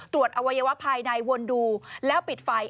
อวัยวะภายในวนดูแล้วปิดไฟ